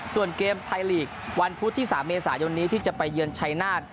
ส่วนเกมไทยลีกวันพุธที่๓เมษายนนี้ที่จะไปเยือนชัยนาธิ์